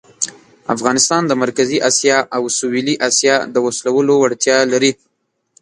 افغانستان د مرکزي آسیا او سویلي آسیا د وصلولو وړتیا لري.